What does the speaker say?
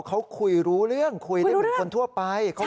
เขาคุยรู้เรื่องคุยได้เป็นคนทั่วไปใช่ค่ะ